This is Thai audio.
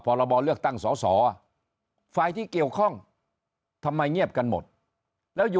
พรบเลือกตั้งสอสอฝ่ายที่เกี่ยวข้องทำไมเงียบกันหมดแล้วอยู่